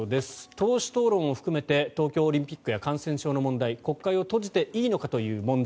党首討論を含めて東京オリンピックや感染症の問題国会を閉じていいのかという問題